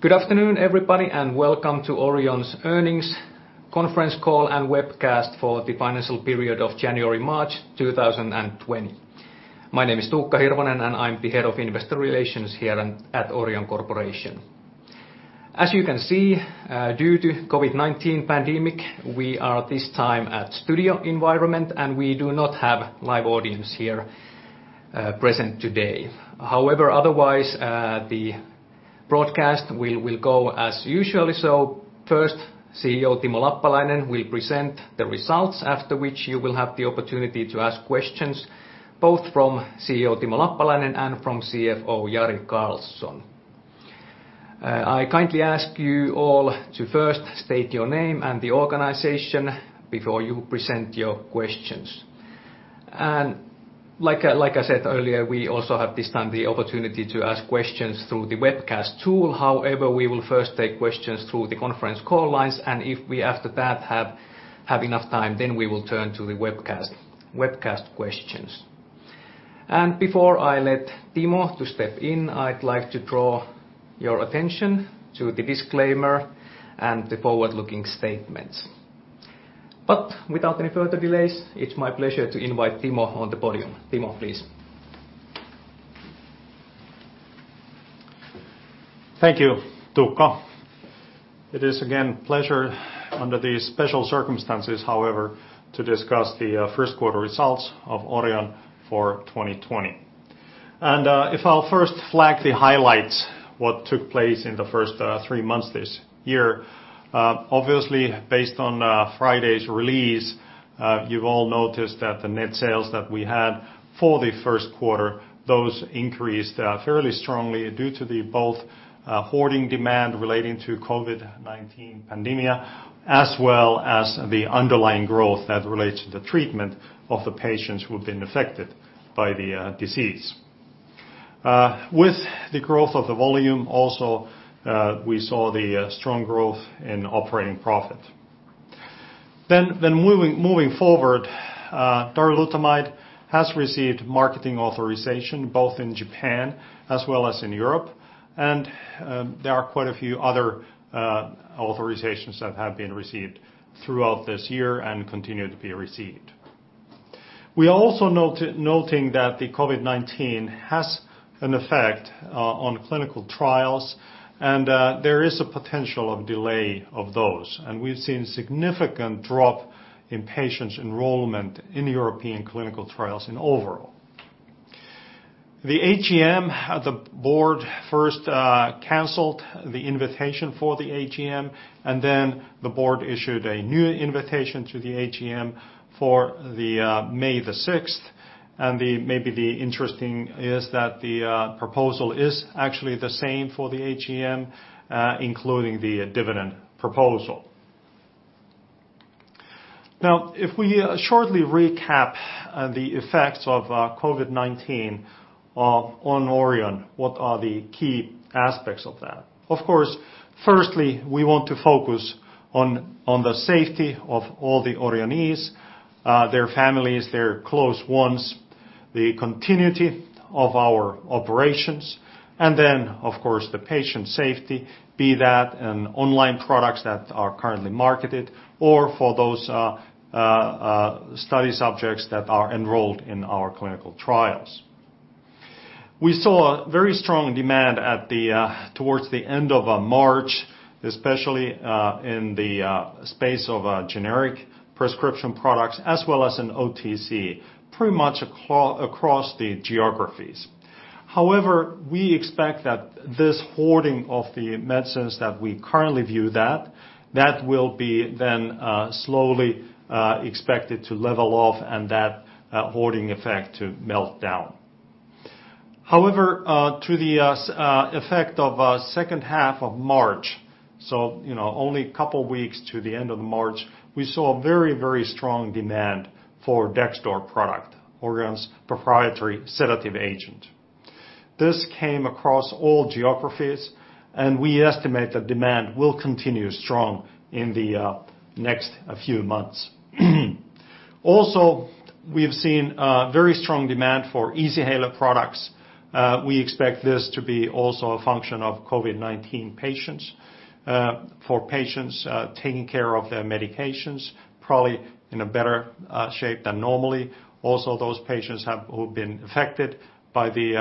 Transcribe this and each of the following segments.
Good afternoon, everybody, and welcome to Orion's earnings conference call and webcast for the financial period of January, March 2020. My name is Tuukka Hirvonen, and I'm the Head of Investor Relations here at Orion Corporation. As you can see, due to COVID-19 pandemic, we are at this time at studio environment, and we do not have live audience here present today. However, otherwise, the broadcast will go as usual. First, CEO Timo Lappalainen will present the results, after which you will have the opportunity to ask questions, both from CEO Timo Lappalainen and from CFO Jari Karlson. I kindly ask you all to first state your name and the organization before you present your questions. Like I said earlier, we also have this time the opportunity to ask questions through the webcast tool. We will first take questions through the conference call lines, and if we after that have enough time, then we will turn to the webcast questions. Before I let Timo to step in, I'd like to draw your attention to the disclaimer and the forward-looking statements. Without any further delays, it's my pleasure to invite Timo on the podium. Timo, please. Thank you, Tuukka. It is again pleasure under these special circumstances, however, to discuss the first quarter results of Orion for 2020. If I'll first flag the highlights, what took place in the first three months this year. Obviously, based on Friday's release, you've all noticed that the net sales that we had for the first quarter, those increased fairly strongly due to the both hoarding demand relating to COVID-19 pandemic, as well as the underlying growth that relates to the treatment of the patients who have been affected by the disease. With the growth of the volume also, we saw the strong growth in operating profit. Moving forward, darolutamide has received marketing authorization both in Japan as well as in Europe, and there are quite a few other authorizations that have been received throughout this year and continue to be received. We are also noting that the COVID-19 has an effect on clinical trials and there is a potential of delay of those. We've seen significant drop in patients enrollment in European clinical trials in overall. The AGM, the board first canceled the invitation for the AGM, and then the board issued a new invitation to the AGM for the May the 6th. Maybe interesting is that the proposal is actually the same for the AGM, including the dividend proposal. Now, if we shortly recap the effects of COVID-19 on Orion, what are the key aspects of that? Of course, firstly, we want to focus on the safety of all the Orionees, their families, their close ones, the continuity of our operations, and then of course, the patient safety, be that our Orion products that are currently marketed or for those study subjects that are enrolled in our clinical trials. We saw a very strong demand towards the end of March, especially in the space of generic prescription products as well as in OTC, pretty much across the geographies. We expect that this hoarding of the medicines that we currently view will be then slowly expected to level off and that hoarding effect to melt down. To the effect of second half of March, so only a couple of weeks to the end of March, we saw a very strong demand for Dexdor product, Orion's proprietary sedative agent. This came across all geographies, and we estimate that demand will continue strong in the next few months. We have seen very strong demand for Easyhaler products. We expect this to be also a function of COVID-19 patients, for patients taking care of their medications, probably in a better shape than normally. Those patients who've been affected by the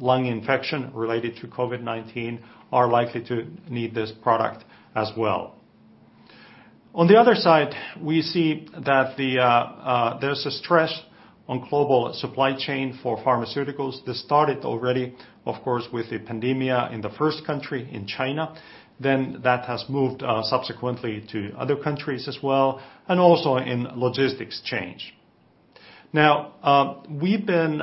lung infection related to COVID-19 are likely to need this product as well. On the other side, we see that there's a stress on global supply chain for pharmaceuticals. This started already, of course, with the pandemic in the first country in China. That has moved subsequently to other countries as well, and also in logistics change. Now, we've been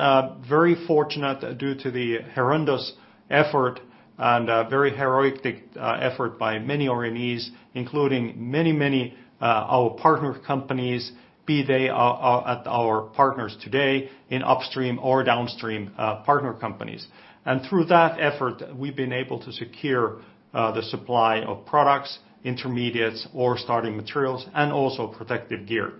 very fortunate due to the horrendous effort and very heroic effort by many Orionees, including many our partner companies, be they our partners today in upstream or downstream partner companies. Through that effort, we've been able to secure the supply of products, intermediates, or starting materials, and also protective gear.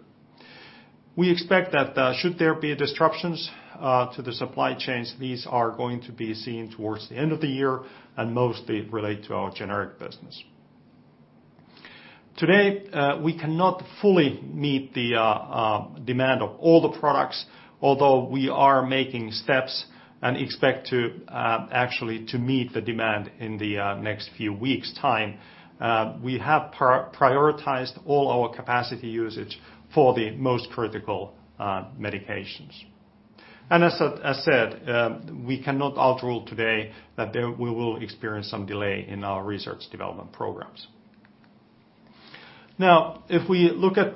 We expect that should there be disruptions to the supply chains, these are going to be seen towards the end of the year and mostly relate to our generic business. Today, we cannot fully meet the demand of all the products, although we are making steps and expect to actually meet the demand in the next few weeks' time. We have prioritized all our capacity usage for the most critical medications. As said, we cannot rule today that we will experience some delay in our research development programs. If we look at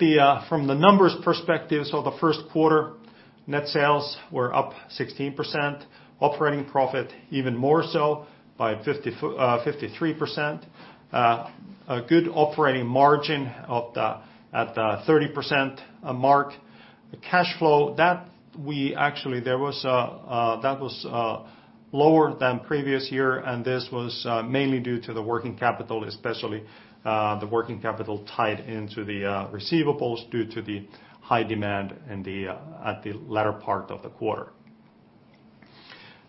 from the numbers perspective, the first quarter net sales were up 16%, operating profit even more so by 53%. A good operating margin at the 30% mark. The cash flow was lower than previous year, this was mainly due to the working capital, especially the working capital tied into the receivables due to the high demand at the latter part of the quarter.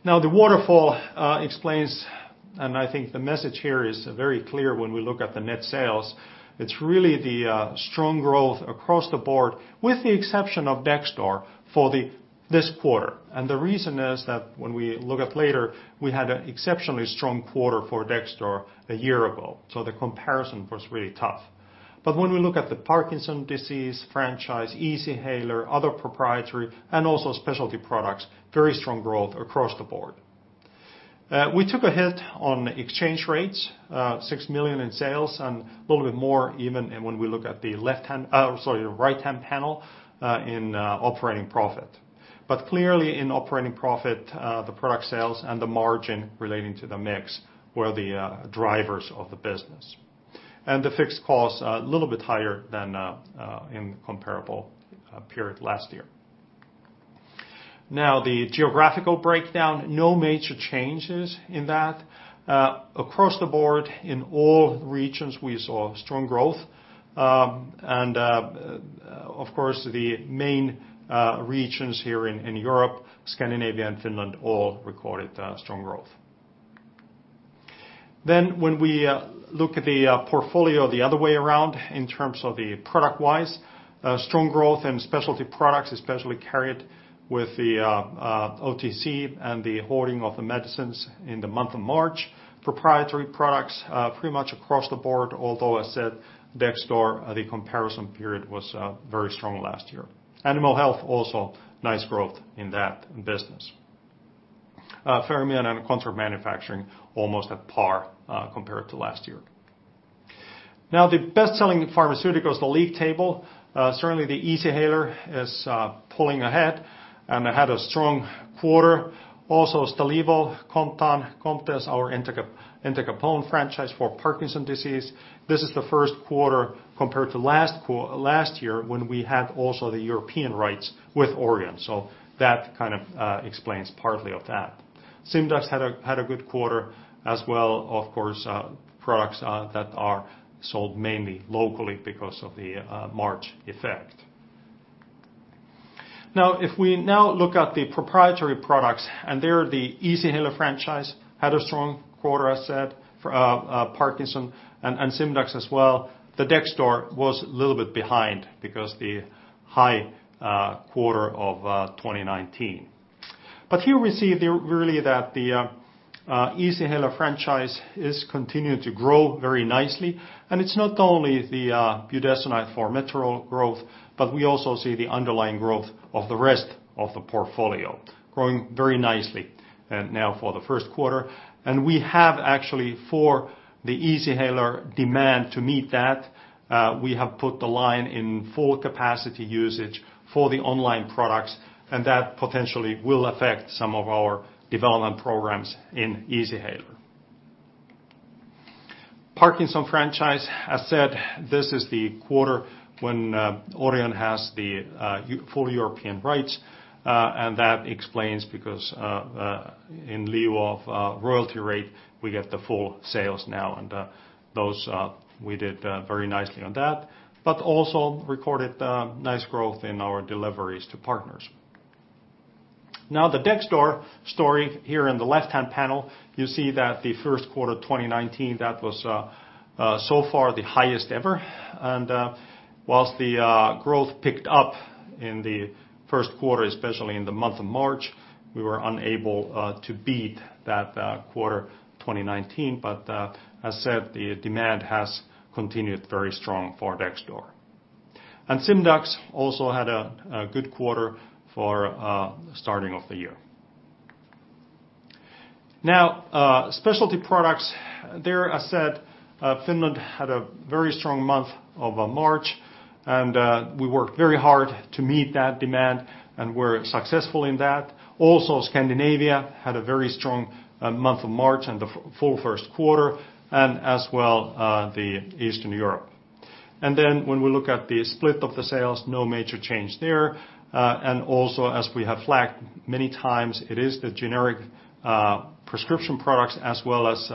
The waterfall explains, I think the message here is very clear when we look at the net sales, it's really the strong growth across the board, with the exception of Dexdor for this quarter. The reason is that when we look at later, we had an exceptionally strong quarter for Dexdor a year ago, the comparison was really tough. When we look at the Parkinson franchise, Easyhaler, other proprietary and also specialty products, very strong growth across the board. We took a hit on exchange rates, 6 million in sales and a little bit more even when we look at the right-hand panel, in operating profit. Clearly in operating profit, the product sales and the margin relating to the mix were the drivers of the business. The fixed costs a little bit higher than in the comparable period last year. The geographical breakdown, no major changes in that. Across the board in all regions we saw strong growth. Of course the main regions here in Europe, Scandinavia and Finland all recorded strong growth. When we look at the portfolio the other way around in terms of the product wise, strong growth and specialty products, especially carried with the OTC and the hoarding of the medicines in the month of March. Proprietary products pretty much across the board, although as said, Dexdor, the comparison period was very strong last year. Animal health also nice growth in that business. Fermion and contract manufacturing almost at par compared to last year. The best-selling pharmaceuticals, the league table certainly the Easyhaler is pulling ahead and had a strong quarter. Stalevo, Comtan, Comtess, our entacapone franchise for Parkinson's disease. This is the first quarter compared to last year when we had also the European rights with Orion. That kind of explains partly of that. Simdax had a good quarter as well, of course products that are sold mainly locally because of the March effect. If we now look at the proprietary products and there the Easyhaler franchise had a strong quarter I said, for Parkinson and Simdax as well. The Dexdor was a little bit behind because the high quarter of 2019. Here we see really that the Easyhaler franchise is continuing to grow very nicely and it's not only the budesonide-formoterol growth, but we also see the underlying growth of the rest of the portfolio growing very nicely now for the first quarter. We have actually for the Easyhaler demand to meet that, we have put the line in full capacity usage for the online products. That potentially will affect some of our development programs in Easyhaler. Parkinson franchise, as said, this is the quarter when Orion has the full European rights. That explains because in lieu of royalty rate, we get the full sales now and those we did very nicely on that. Also recorded nice growth in our deliveries to partners. Now the Dexdor story here in the left-hand panel, you see that the first quarter 2019, that was so far the highest ever. Whilst the growth picked up in the first quarter, especially in the month of March, we were unable to beat that quarter 2019, but as said, the demand has continued very strong for Dexdor. Simdax also had a good quarter for starting of the year. Now, specialty products there I said, Finland had a very strong month of March and we worked very hard to meet that demand and were successful in that. Scandinavia had a very strong month of March and the full first quarter and as well, the Eastern Europe. When we look at the split of the sales, no major change there. As we have flagged many times, it is the generic prescription products as well as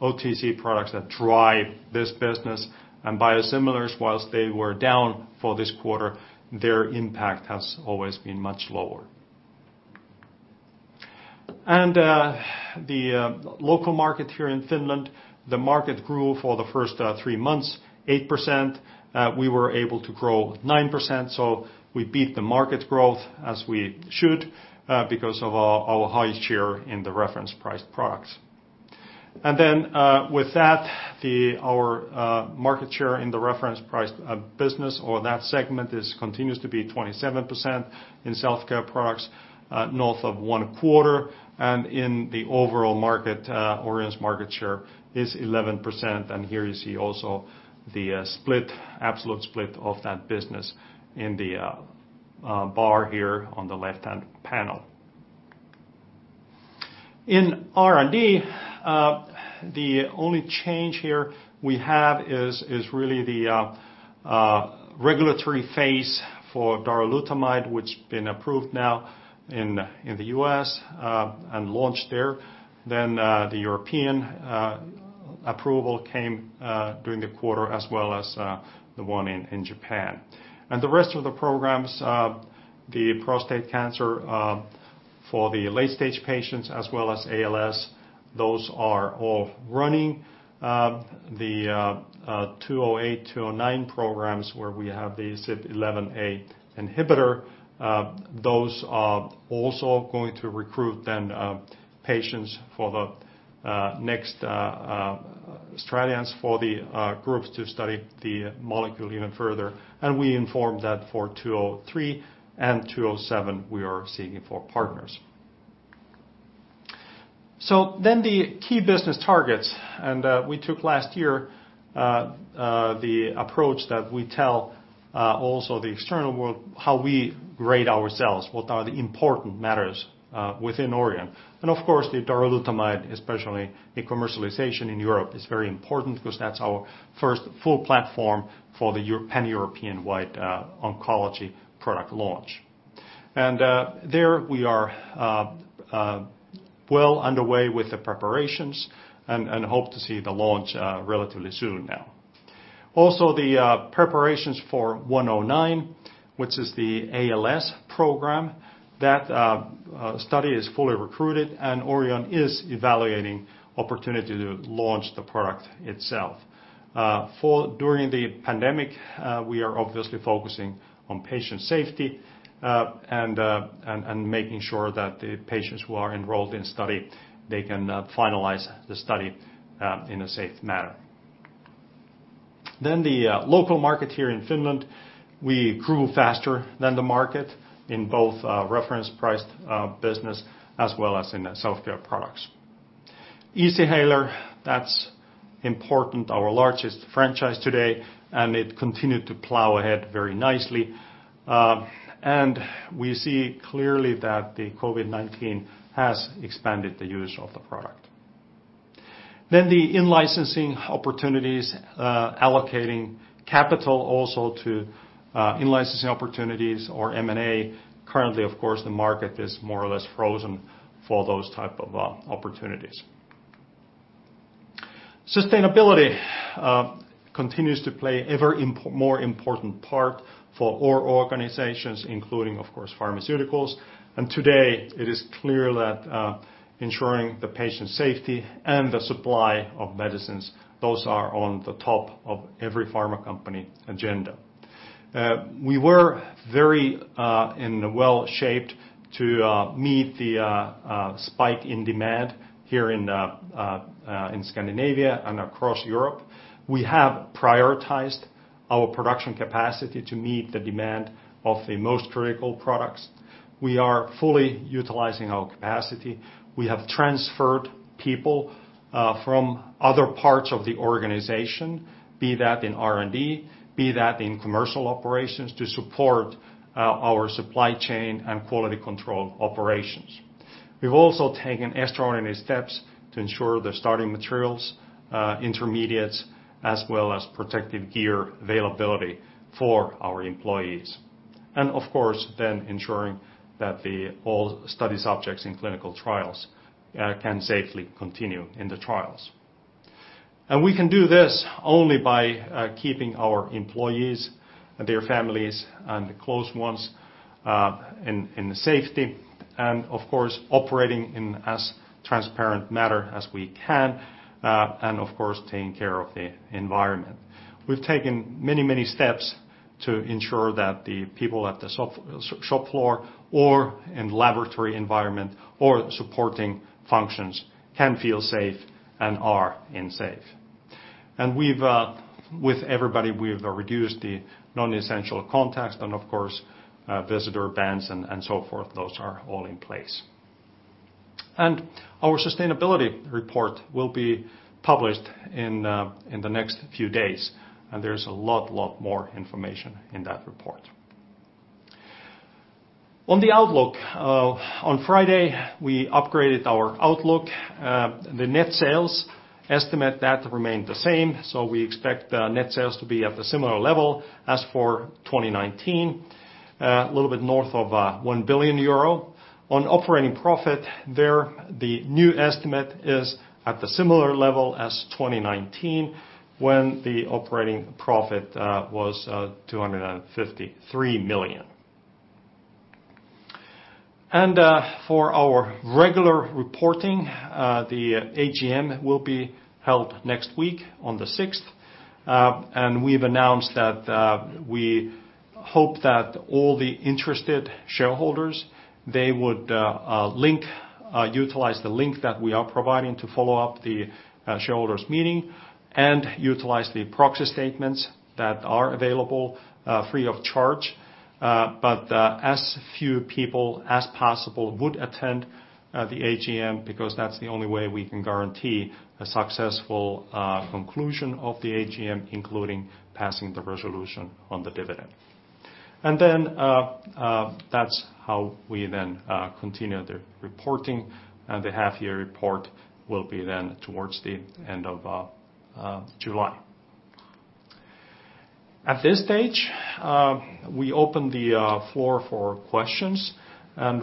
OTC products that drive this business. Biosimilars, whilst they were down for this quarter, their impact has always been much lower. The local market here in Finland, the market grew for the first three months, 8%. We were able to grow 9%, so we beat the market growth as we should because of our highest share in the reference priced products. With that, our market share in the reference priced business or that segment continues to be 27% in self-care products north of one quarter, and in the overall market, Orion's market share is 11%. Here you see also the absolute split of that business in the bar here on the left-hand panel. In R&D, the only change here we have is really the regulatory phase for darolutamide, which has been approved now in the U.S. and launched there. The European approval came during the quarter, as well as the one in Japan. The rest of the programs, the prostate cancer for the late-stage patients as well as ALS, those are all running. The ODM-208, ODM-209 programs where we have the CYP11A1 inhibitor, those are also going to recruit patients for the next trials for the groups to study the molecule even further. We informed that for ODM-203 and ODM-207, we are seeking for partners. The key business targets, and we took last year the approach that we tell also the external world how we rate ourselves, what are the important matters within Orion. Of course, the darolutamide, especially the commercialization in Europe, is very important because that's our first full platform for the pan-European wide oncology product launch. There we are well underway with the preparations and hope to see the launch relatively soon now. Also the preparations for ODM-109, which is the ALS program, that study is fully recruited and Orion is evaluating opportunity to launch the product itself. During the pandemic, we are obviously focusing on patient safety and making sure that the patients who are enrolled in study, they can finalize the study in a safe manner. The local market here in Finland, we grew faster than the market in both reference priced products as well as in self-care products. Easyhaler, that's important, our largest franchise today, and it continued to plow ahead very nicely. We see clearly that the COVID-19 has expanded the use of the product. The in-licensing opportunities, allocating capital also to in-licensing opportunities or M&A. Currently, of course, the market is more or less frozen for those type of opportunities. Sustainability continues to play ever more important part for all organizations, including, of course, pharmaceuticals. Today it is clear that ensuring the patient safety and the supply of medicines, those are on the top of every pharma company agenda. We were very well shaped to meet the spike in demand here in Scandinavia and across Europe. We have prioritized our production capacity to meet the demand of the most critical products. We are fully utilizing our capacity. We have transferred people from other parts of the organization, be that in R&D, be that in commercial operations to support our supply chain and quality control operations. We've also taken extraordinary steps to ensure the starting materials, intermediates, as well as protective gear availability for our employees. Of course, then ensuring that all study subjects in clinical trials can safely continue in the trials. We can do this only by keeping our employees and their families and close ones in safety and, of course, operating in as transparent matter as we can and, of course, taking care of the environment. We've taken many steps to ensure that the people at the shop floor or in laboratory environment or supporting functions can feel safe and are safe. With everybody, we've reduced the non-essential contacts and, of course, visitor bans and so forth. Those are all in place. Our sustainability report will be published in the next few days, and there's a lot more information in that report. On the outlook, on Friday, we upgraded our outlook. The net sales estimate that remained the same, so we expect net sales to be at a similar level as for 2019, a little bit north of 1 billion euro. On operating profit, there the new estimate is at the similar level as 2019, when the operating profit was EUR 253 million. For our regular reporting, the AGM will be held next week on the 6th. We've announced that we hope that all the interested shareholders, they would utilize the link that we are providing to follow up the shareholders meeting and utilize the proxy statements that are available free of charge. As few people as possible would attend the AGM, because that's the only way we can guarantee a successful conclusion of the AGM, including passing the resolution on the dividend. That's how we then continue the reporting. The half year report will be then towards the end of July. At this stage, we open the floor for questions.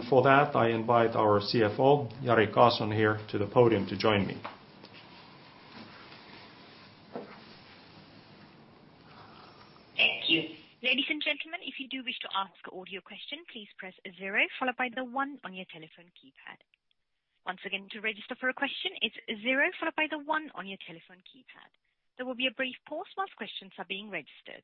For that, I invite our CFO, Jari Karlson here to the podium to join me. Thank you. Ladies and gentlemen, if you do wish to ask audio question, please press zero followed by the one on your telephone keypad. Once again, to register for a question, it's zero followed by the one on your telephone keypad. There will be a brief pause while questions are being registered.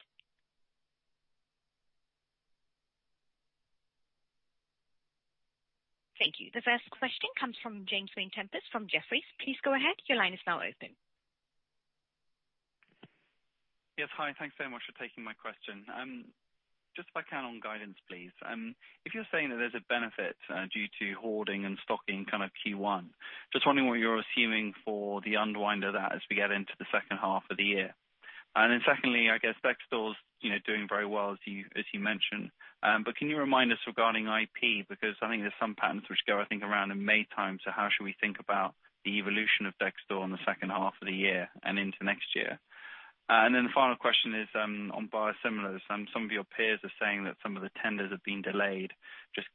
Thank you. The first question comes from James Vane-Tempest from Jefferies. Please go ahead. Your line is now open. Yes, hi. Thanks so much for taking my question. If I can, on guidance, please. If you're saying that there's a benefit due to hoarding and stocking kind of Q1, just wondering what you're assuming for the unwind of that as we get into the second half of the year. Secondly, I guess Dexdor is doing very well, as you mentioned. Can you remind us regarding IP? I think there's some patents which go, I think, around in May time, so how should we think about the evolution of Dexdor in the second half of the year and into next year? The final question is on biosimilars. Some of your peers are saying that some of the tenders have been delayed.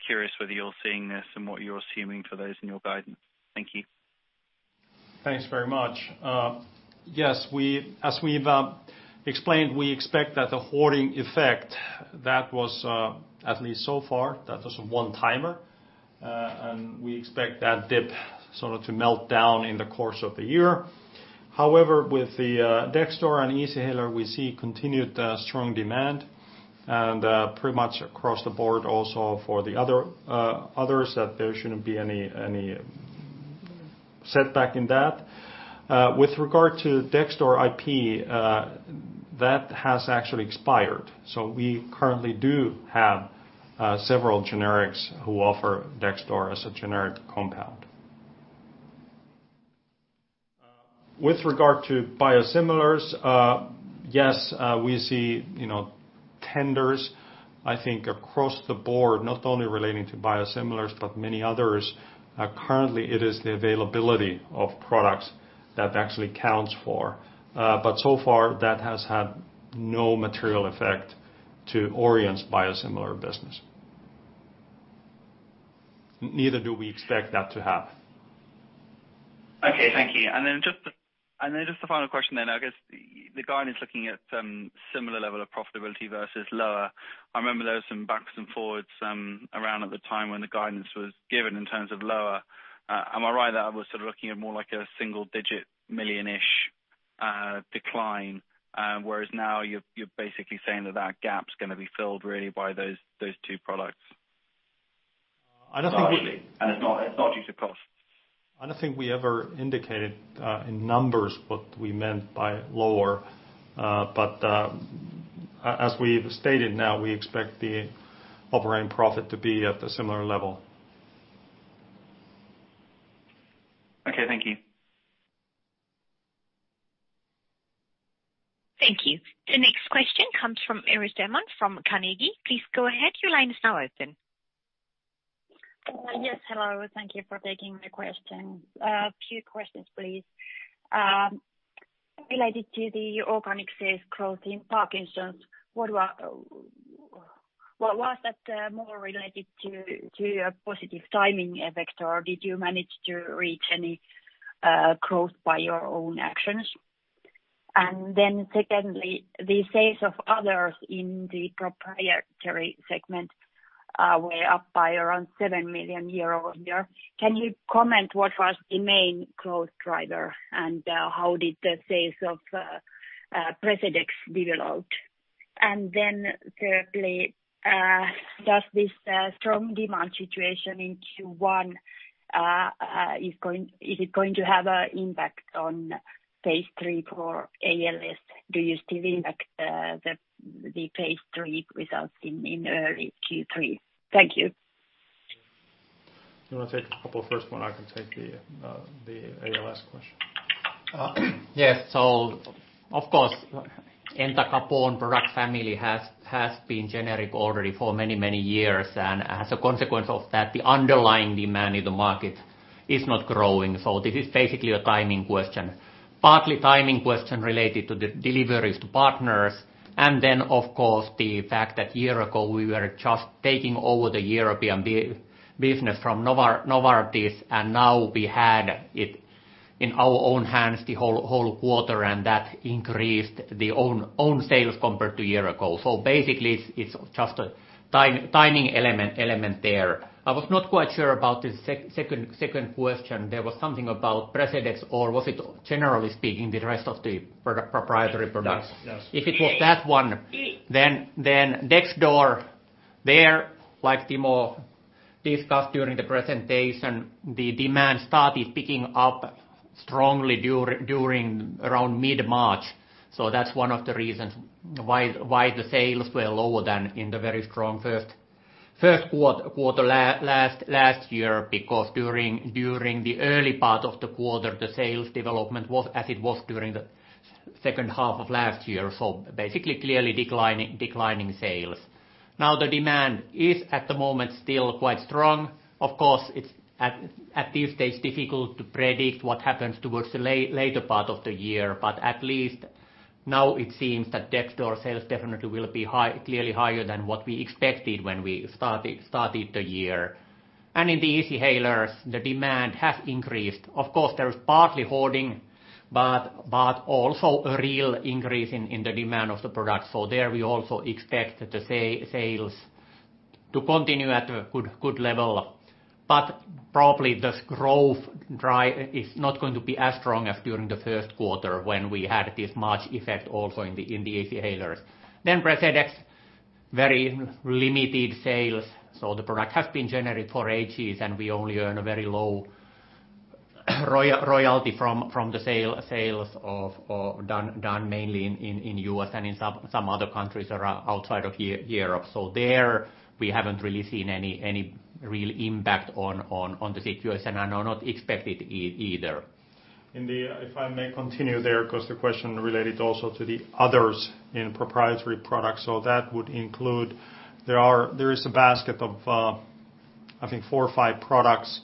Curious whether you're seeing this and what you're assuming for those in your guidance. Thank you. Thanks very much. Yes, as we've explained, we expect that the hoarding effect, at least so far, that was a one-timer. We expect that dip sort of to melt down in the course of the year. However, with the Dexdor and Easyhaler, we see continued strong demand and pretty much across the board also for the others, that there shouldn't be any setback in that. With regard to Dexdor IP, that has actually expired. We currently do have several generics who offer Dexdor as a generic compound. With regard to biosimilars, yes, we see tenders, I think, across the board, not only relating to biosimilars, but many others. Currently, it is the availability of products that actually counts for. So far that has had no material effect to Orion's biosimilar business. Neither do we expect that to have. Okay, thank you. Just the final question then. I guess the guidance looking at similar level of profitability versus lower, I remember there was some backs and forwards around at the time when the guidance was given in terms of lower. Am I right that I was sort of looking at more like a single digit million-ish decline, whereas now you're basically saying that that gap's going to be filled really by those two products? I don't think. It's not due to cost. I don't think we ever indicated in numbers what we meant by lower. As we've stated now, we expect the operating profit to be at a similar level. Okay, thank you. Thank you. The next question comes from Iiris Theman from Carnegie. Please go ahead. Your line is now open. Yes, hello. Thank you for taking my question. Two questions, please. Related to the organic sales growth in Parkinson's, was that more related to a positive timing effect, or did you manage to reach any growth by your own actions? Secondly, the sales of others in the proprietary segment were up by around 7 million euros year-over-year. Can you comment what was the main growth driver, and how did the sales of Precedex develop? Thirdly, does this strong demand situation in Q1, is it going to have an impact on phase III for ALS? Do you still expect the phase III results in early Q3? Thank you. Do you want to take a couple first one? I can take the ALS question. Yes. Of course, entacapone product family has been generic already for many years, and as a consequence of that, the underlying demand in the market is not growing. This is basically a timing question. Partly timing question related to the deliveries to partners, and then, of course, the fact that a year ago we were just taking over the European business from Novartis, and now we had it in our own hands the whole quarter, and that increased the own sales compared to a year ago. Basically it's just a timing element there. I was not quite sure about the second question. There was something about Precedex or was it generally speaking the rest of the product proprietary products? Yes. If it was that one, then Dexdor there, like Timo discussed during the presentation, the demand started picking up strongly during around mid-March. That's one of the reasons why the sales were lower than in the very strong first quarter last year, because during the early part of the quarter, the sales development was as it was during the second half of last year. Basically clearly declining sales. Now the demand is at the moment still quite strong. Of course, it's at this stage difficult to predict what happens towards the later part of the year. At least now it seems that Dexdor sales definitely will be clearly higher than what we expected when we started the year. In the Easyhalers, the demand has increased. Of course, there is partly hoarding, but also a real increase in the demand of the product. There we also expect the sales to continue at a good level, probably this growth drive is not going to be as strong as during the first quarter when we had this much effect also in the Easyhaler. Precedex, very limited sales. The product has been generic for ages, and we only earn a very low royalty from the sales done mainly in U.S. and in some other countries outside of Europe. There we haven't really seen any real impact on the figures and are not expected it either. If I may continue there, because the question related also to the others in proprietary products. That would include, there is a basket of I think four or five products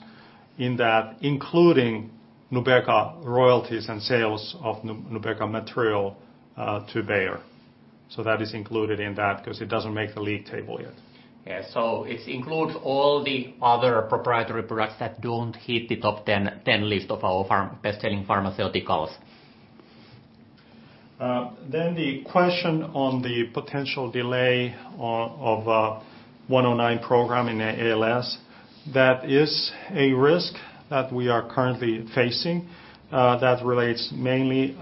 in that, including NUBEQA royalties and sales of NUBEQA material to Bayer. That is included in that because it doesn't make the league table yet. Yeah. It includes all the other proprietary products that don't hit the top 10 list of our best-selling pharmaceuticals. The question on the potential delay of ODM-109 program in ALS, that is a risk that we are currently facing, that relates mainly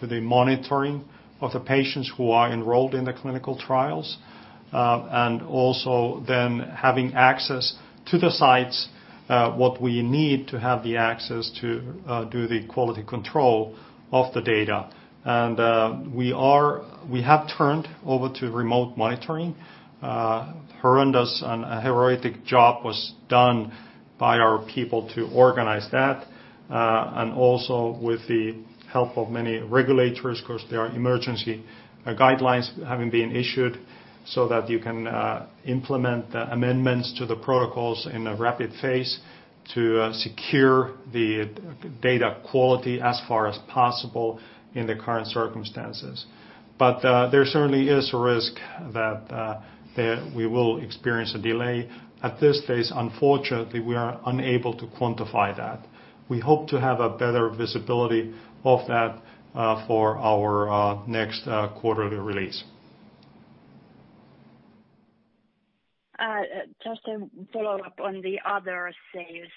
to the monitoring of the patients who are enrolled in the clinical trials. Also having access to the sites, what we need to have the access to do the quality control of the data. We have turned over to remote monitoring. A heroic job was done by our people to organize that, and also with the help of many regulators. Because there are emergency guidelines having been issued so that you can implement amendments to the protocols in a rapid phase to secure the data quality as far as possible in the current circumstances. There certainly is a risk that we will experience a delay. At this stage, unfortunately, we are unable to quantify that. We hope to have a better visibility of that for our next quarterly release. Just to follow up on the other sales.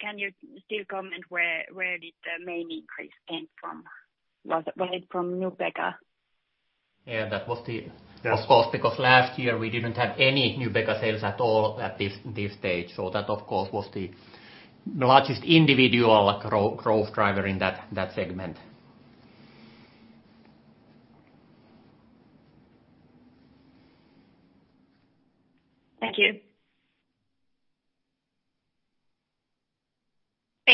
Can you still comment where did the main increase came from? Was it from NUBEQA? Yeah, that was it. Yes. Last year we didn't have any NUBEQA sales at all at this stage. That of course was the largest individual growth driver in that segment.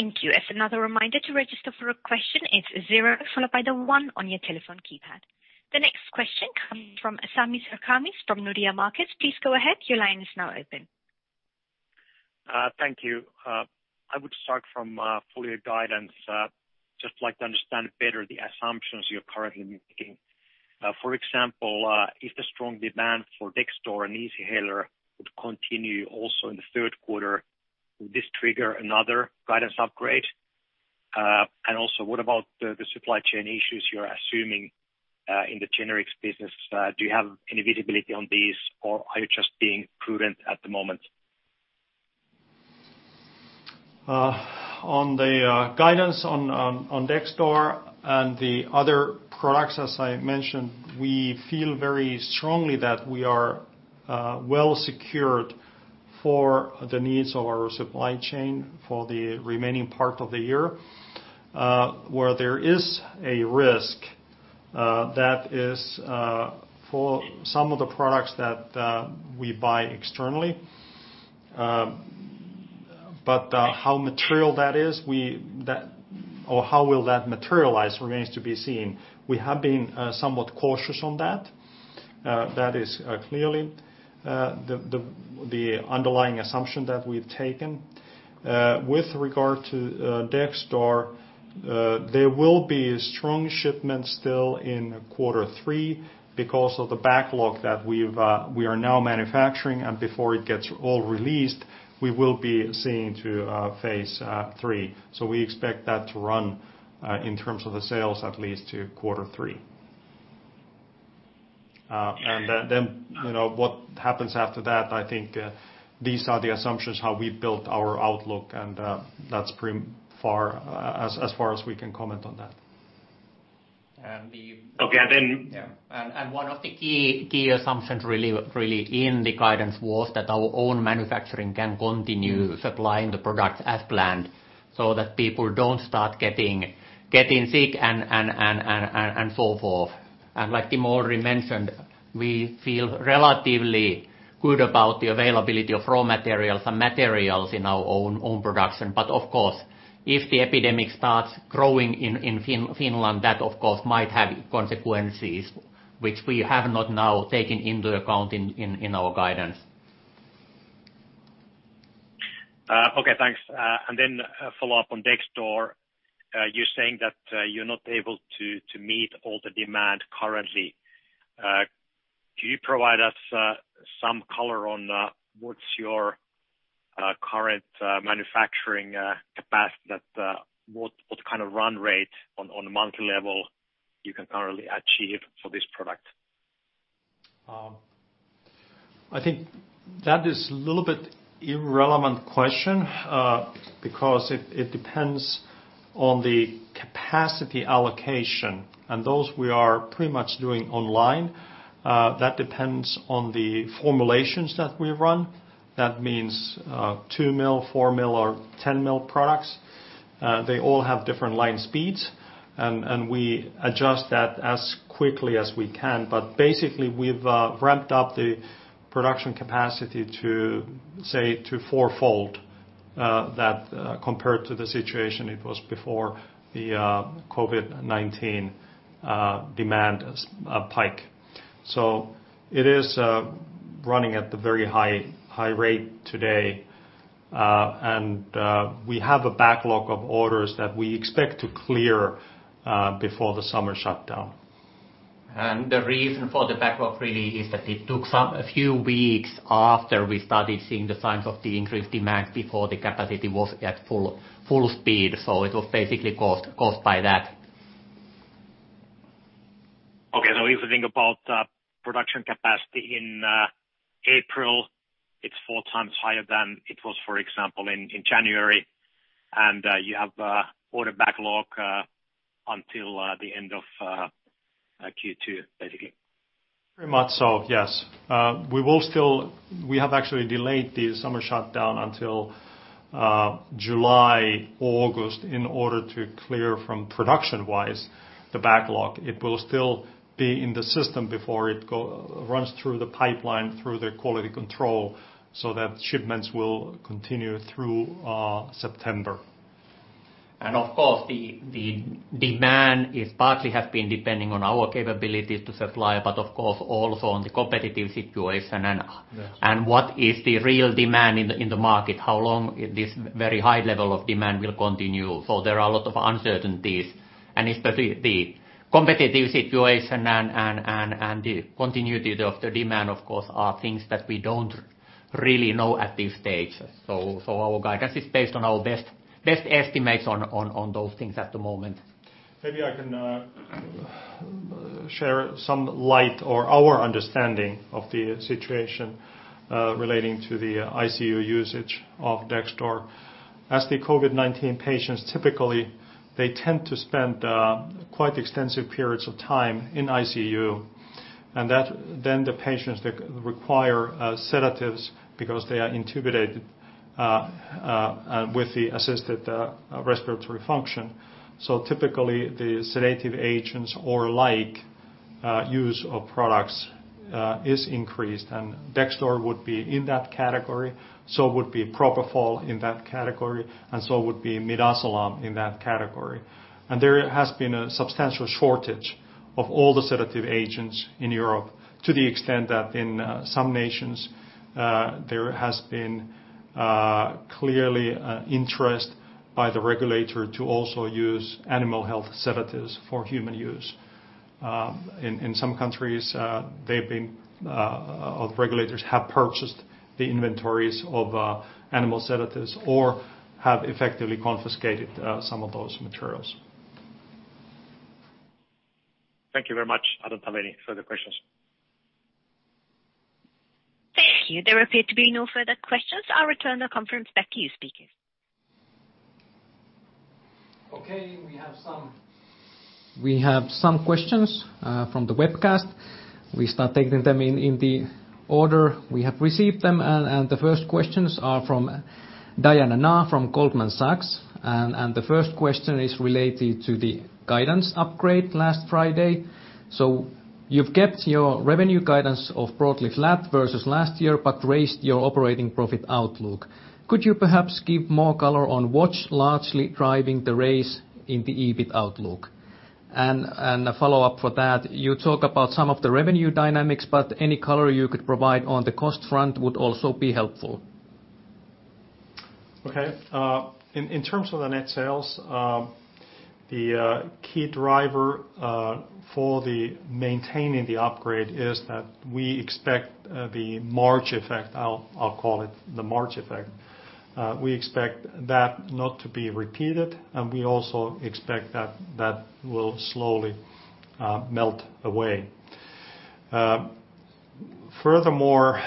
Thank you. Thank you. As another reminder, to register for a question, it's zero followed by the one on your telephone keypad. The next question comes from Sami Särkämies from Nordea Markets. Please go ahead, your line is now open. Thank you. I would start from full year guidance. Just like to understand better the assumptions you're currently making. For example, if the strong demand for Dexdor and Easyhaler would continue also in the third quarter, will this trigger another guidance upgrade? Also, what about the supply chain issues you're assuming in the generics business? Do you have any visibility on these or are you just being prudent at the moment? On the guidance on Dexdor and the other products, as I mentioned, we feel very strongly that we are well secured for the needs of our supply chain for the remaining part of the year. Where there is a risk, that is for some of the products that we buy externally. How material that is or how will that materialize remains to be seen. We have been somewhat cautious on that. That is clearly the underlying assumption that we've taken. With regard to Dexdor, there will be strong shipments still in quarter three because of the backlog that we are now manufacturing. Before it gets all released, we will be seeing to phase III. We expect that to run in terms of the sales at least to quarter three. Then what happens after that, I think these are the assumptions how we built our outlook and that's as far as we can comment on that. And the. Okay. Yeah. One of the key assumptions really in the guidance was that our own manufacturing can continue supplying the products as planned so that people don't start getting sick and so forth. Like Timo already mentioned, we feel relatively good about the availability of raw materials and materials in our own production. Of course, if the epidemic starts growing in Finland, that of course might have consequences which we have not now taken into account in our guidance. Okay, thanks. A follow-up on Dexdor. You are saying that you are not able to meet all the demand currently. Can you provide us some color on what is your current manufacturing capacity? What kind of run rate on a monthly level you can currently achieve for this product? I think that is a little bit irrelevant question, because it depends on the capacity allocation, and those we are pretty much doing online. That depends on the formulations that we run. That means 2 mil, 4 mil, or 10 mil products. They all have different line speeds, and we adjust that as quickly as we can. Basically, we've ramped up the production capacity to say to four-fold, that compared to the situation it was before the COVID-19 demand spike. It is running at the very high rate today. We have a backlog of orders that we expect to clear before the summer shutdown. The reason for the backlog really is that it took a few weeks after we started seeing the signs of the increased demand before the capacity was at full speed. It was basically caused by that. If you think about production capacity in April, it's four times higher than it was, for example, in January, and you have order backlog until the end of Q2, basically. Very much so, yes. We have actually delayed the summer shutdown until July, August, in order to clear from production-wise the backlog. It will still be in the system before it runs through the pipeline through the quality control so that shipments will continue through September. Of course, the demand is partly has been depending on our capability to supply, but of course also on the competitive situation. What is the real demand in the market, how long this very high level of demand will continue. There are a lot of uncertainties, and especially the competitive situation and the continuity of the demand, of course, are things that we don't really know at this stage. Our guidance is based on our best estimates on those things at the moment. Maybe I can share some light or our understanding of the situation relating to the ICU usage of Dexdor. As the COVID-19 patients, typically, they tend to spend quite extensive periods of time in ICU, and then the patients require sedatives because they are intubated with the assisted respiratory function. Typically, the sedative agents or like use of products is increased, and Dexdor would be in that category, so would be propofol in that category, and so would be midazolam in that category. There has been a substantial shortage of all the sedative agents in Europe to the extent that in some nations, there has been clearly interest by the regulator to also use animal health sedatives for human use. In some countries, regulators have purchased the inventories of animal sedatives or have effectively confiscated some of those materials. Thank you very much. I don't have any further questions. Thank you. There appear to be no further questions. I'll return the conference back to you, speakers. Okay, we have some. We have some questions from the webcast. We start taking them in the order we have received them. The first questions are from Keyur Parekh from Goldman Sachs. The first question is related to the guidance upgrade last Friday. You've kept your revenue guidance of broadly flat versus last year, but raised your operating profit outlook. Could you perhaps give more color on what's largely driving the raise in the EBIT outlook? A follow-up for that, you talk about some of the revenue dynamics, but any color you could provide on the cost front would also be helpful. Okay. In terms of the net sales, the key driver for maintaining the upgrade is that we expect the March effect, I'll call it the March effect, we expect that not to be repeated, and we also expect that will slowly melt away. Furthermore,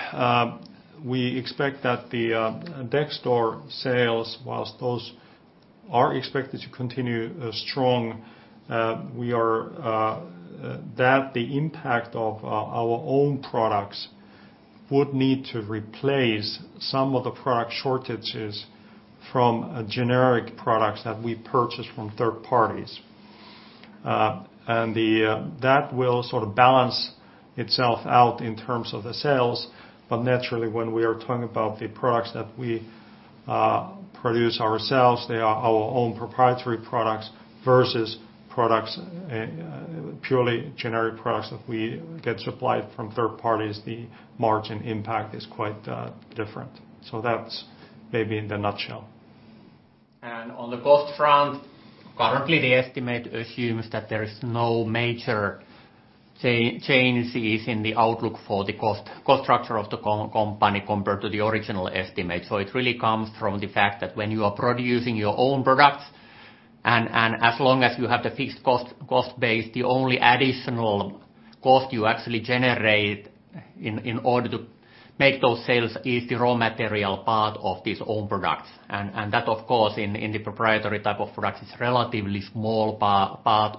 we expect that the Dexdor sales, whilst those are expected to continue strong, that the impact of our own products would need to replace some of the product shortages from generic products that we purchase from third parties. That will sort of balance itself out in terms of the sales. Naturally, when we are talking about the products that we produce ourselves, they are our own proprietary products, versus purely generic products that we get supplied from third parties, the margin impact is quite different. That's maybe in the nutshell. On the cost front, currently the estimate assumes that there is no major changes in the outlook for the cost structure of the company compared to the original estimate. It really comes from the fact that when you are producing your own products, and as long as you have the fixed cost base. The only additional cost you actually generate in order to make those sales is the raw material part of these own products. That, of course, in the proprietary type of products, is a relatively small part,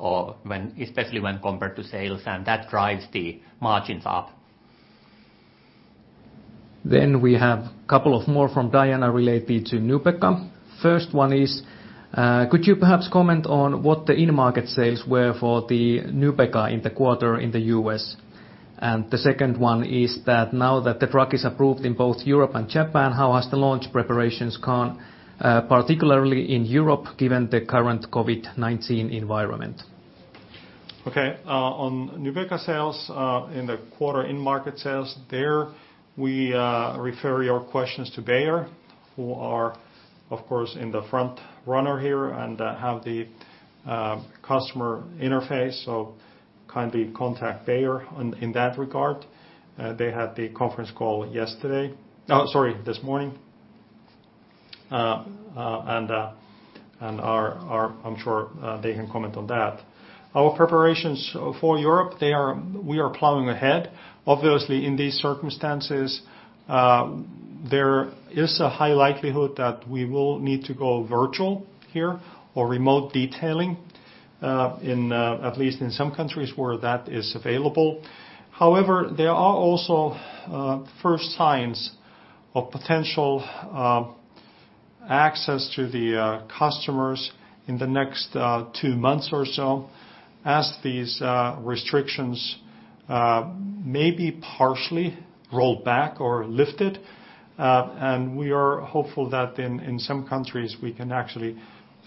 especially when compared to sales, and that drives the margins up. We have couple of more from Keyur related to NUBEQA. First one is, could you perhaps comment on what the in-market sales were for the NUBEQA in the quarter in the U.S.? The second one is that now that the drug is approved in both Europe and Japan, how has the launch preparations gone, particularly in Europe, given the current COVID-19 environment? On NUBEQA sales in the quarter in-market sales, there we refer your questions to Bayer, who are, of course, in the front runner here and have the customer interface. Kindly contact Bayer in that regard. They had the conference call yesterday this morning, and I'm sure they can comment on that. Our preparations for Europe, we are plowing ahead. Obviously, in these circumstances, there is a high likelihood that we will need to go virtual here or remote detailing, at least in some countries where that is available. There are also first signs of potential access to the customers in the next two months or so as these restrictions may be partially rolled back or lifted. We are hopeful that in some countries we can actually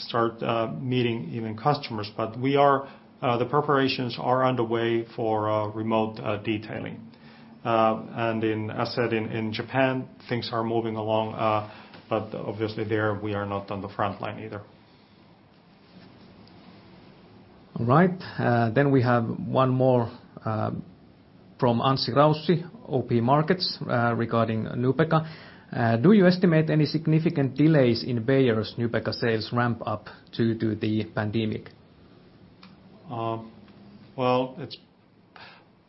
start meeting even customers. The preparations are underway for remote detailing. As said, in Japan, things are moving along, but obviously there we are not on the front line either. All right. We have one more from Anssi Raussi, OP Markets regarding NUBEQA. Do you estimate any significant delays in Bayer's NUBEQA sales ramp up due to the pandemic? Well, it's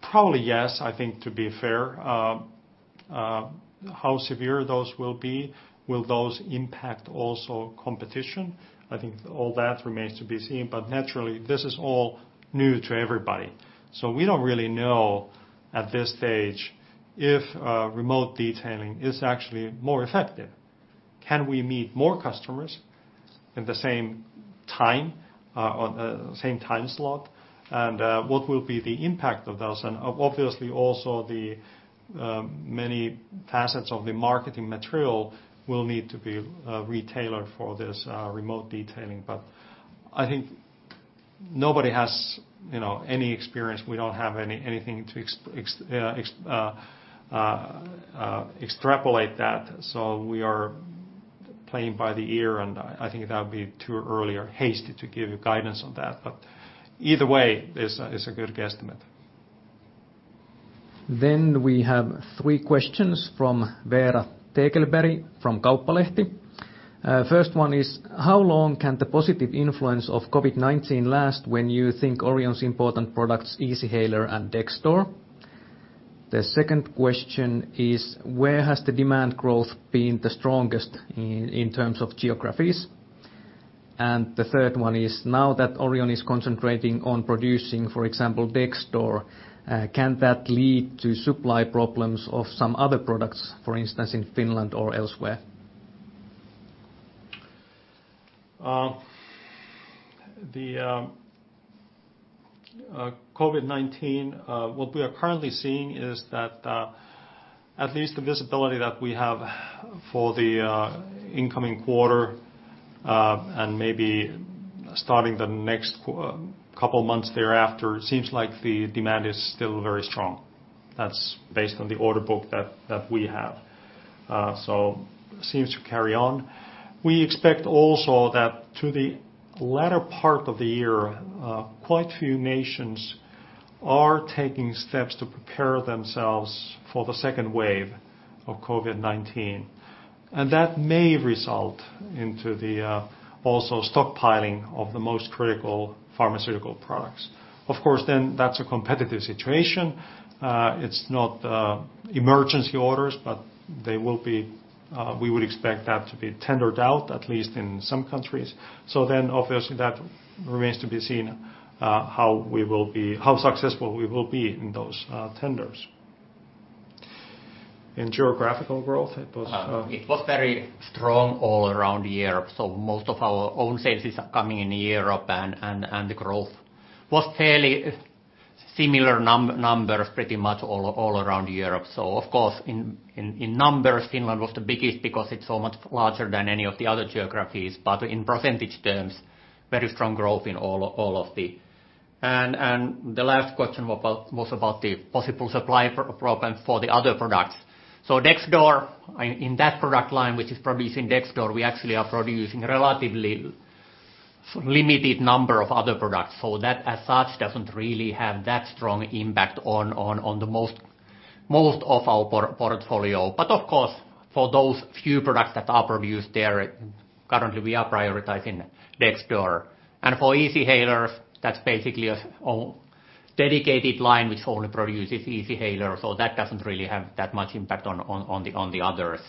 probably yes, I think, to be fair. How severe those will be, will those impact also competition? I think all that remains to be seen. Naturally, this is all new to everybody. We don't really know at this stage if remote detailing is actually more effective. Can we meet more customers in the same time slot? What will be the impact of those? Obviously also the many facets of the marketing material will need to be re-tailored for this remote detailing. I think nobody has any experience. We don't have anything to extrapolate that. We are playing by the ear, and I think that would be too early or hasty to give you guidance on that. Either way, it's a good guesstimate. Then we have three questions from Vera von Lode from Kauppalehti. First one is, how long can the positive influence of COVID-19 last when you think Orion's important products, Easyhaler and Dexdor? The second question is, where has the demand growth been the strongest in terms of geographies? The third one is, now that Orion is concentrating on producing, for example, Dexdor, can that lead to supply problems of some other products, for instance, in Finland or elsewhere? The COVID-19, what we are currently seeing is that at least the visibility that we have for the incoming quarter, and maybe starting the next couple of months thereafter, seems like the demand is still very strong. That's based on the order book that we have. Seems to carry on. We expect also that to the latter part of the year, quite a few nations are taking steps to prepare themselves for the second wave of COVID-19, and that may result into the also stockpiling of the most critical pharmaceutical products. Of course, that's a competitive situation. It's not emergency orders, we would expect that to be tendered out at least in some countries. Obviously, that remains to be seen how successful we will be in those tenders. In geographical growth. It was very strong all around Europe. Most of our own sales are coming in Europe and the growth was fairly similar numbers pretty much all around Europe. Of course in numbers, Finland was the biggest because it's so much larger than any of the other geographies, but in percentage terms, very strong growth in all of the. The last question was about the possible supply problem for the other products. Dexdor, in that product line which is producing Dexdor, we actually are producing relatively limited number of other products. That as such doesn't really have that strong impact on the most of our portfolio. Of course, for those few products that are produced there, currently we are prioritizing Dexdor. For Easyhaler, that's basically a dedicated line which only produces Easyhaler, so that doesn't really have that much impact on the others.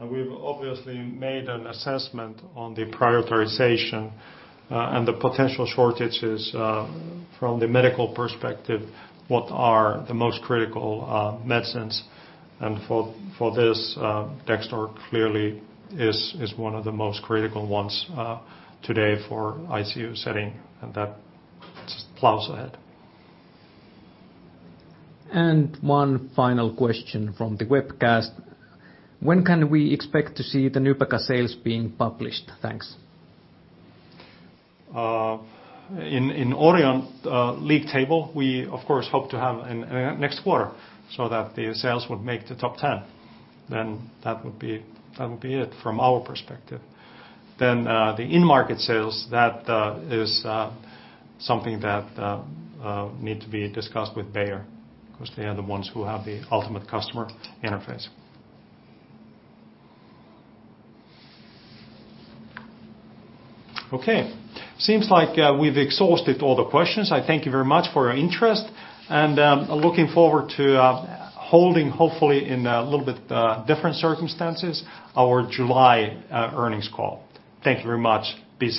We've obviously made an assessment on the prioritization and the potential shortages from the medical perspective, what are the most critical medicines, and for this, Dexdor clearly is one of the most critical ones today for ICU setting, and that plows ahead. One final question from the webcast. When can we expect to see the NUBEQA sales being published? Thanks. In Orion league table, we of course hope to have next quarter, so that the sales would make the top 10. That would be it from our perspective. The in-market sales, that is something that need to be discussed with Bayer, because they are the ones who have the ultimate customer interface. Okay, seems like we've exhausted all the questions. I thank you very much for your interest and looking forward to holding hopefully in a little bit different circumstances our July earnings call. Thank you very much. Be safe